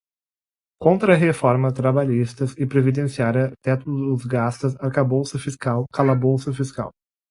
Contrarreformas trabalhista e previdenciária, teto dos gastos, arcabouço fiscal, calabouço fiscal